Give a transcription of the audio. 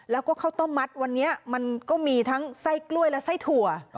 แล้วก็ข้าวต้มมัดวันนี้มันก็มีทั้งไส้กล้วยและไส้ถั่ว